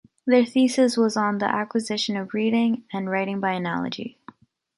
Their thesis was on the acquisition of reading and writing by analogy.